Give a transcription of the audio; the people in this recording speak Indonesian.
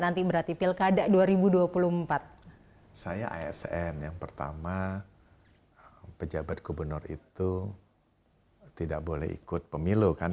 nanti berarti pilkada dua ribu dua puluh empat saya asn yang pertama pejabat gubernur itu tidak boleh ikut pemilu kan